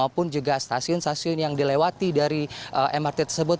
maupun juga stasiun stasiun yang dilewati dari mrt tersebut